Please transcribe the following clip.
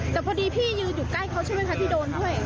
แต่พอดีพี่ยืนอยู่ใกล้เขาใช่ไหมคะที่โดนด้วย